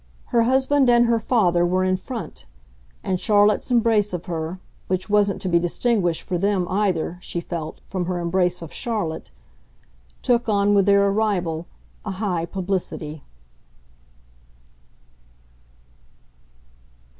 Her husband and her father were in front, and Charlotte's embrace of her which wasn't to be distinguished, for them, either, she felt, from her embrace of Charlotte took on with their arrival a high publicity.